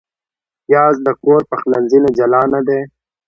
پیاز د کور پخلنځي نه جلا نه دی